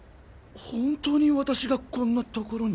本当に私がこんな所に？